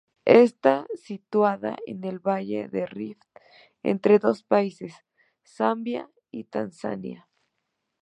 Está situada en el valle del Rift, entre dos países: Zambia y Tanzania.